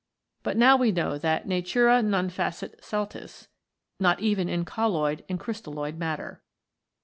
But now we know that Natura non facit saltus, not even in colloid and crystalloid matter.